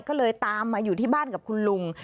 ก็เลยตามมาอยู่ที่บ้านกับคุณลุง